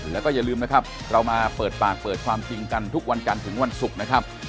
แล้วก็อย่าลืมนะครับเรามาเปิดปากเปิดความจริงกันทุกวันกันถึงวันศุกร์นะครับ